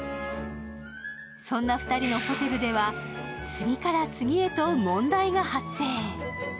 そんな２人のホテルでは次から次へと問題が発生。